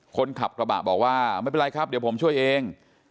คนขับกระบะบอกว่าไม่เป็นไรครับเดี๋ยวผมช่วยเอง